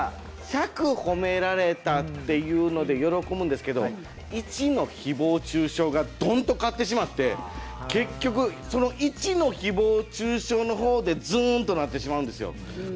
１００褒められたっていうので喜ぶんですけど１の誹謗中傷がどんと勝ってしまって結局、１の誹謗中傷のほうでずーんとなってしまうんですよ。